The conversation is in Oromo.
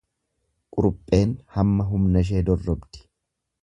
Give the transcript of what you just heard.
Qurupheen hamma humnashee dorrobdi.